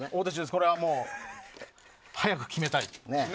これはもう早く決めたい。